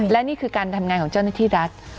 และนี่คือการทำงานของเจ้าหน้าที่รัฐ